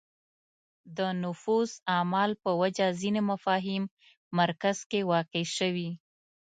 د نفوذ اعمال په وجه ځینې مفاهیم مرکز کې واقع شوې